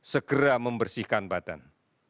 segera membersihkan badan